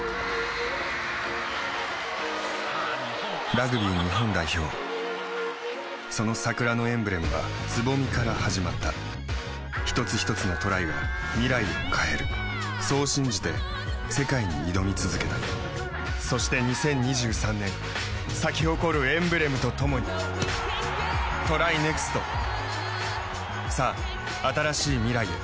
・ラグビー日本代表その桜のエンブレムは蕾から始まった一つひとつのトライが未来を変えるそう信じて世界に挑み続けたそして２０２３年咲き誇るエンブレムとともにＴＲＹＮＥＸＴさあ、新しい未来へ。